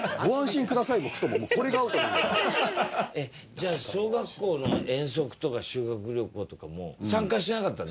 これが。じゃあ小学校の遠足とか修学旅行とかも参加しなかったの？